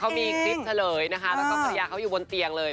เขามีคลิปเฉลยนะคะแล้วก็ภรรยาเขาอยู่บนเตียงเลย